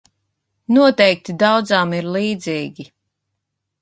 Noteikti daudzām ir līdzīgi.